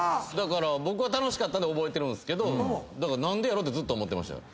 僕は楽しかったんで覚えてるんすけど何でやろってずっと思ってた。